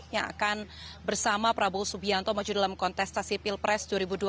yang akan bersama prabowo subianto maju dalam kontestasi pilpres dua ribu dua puluh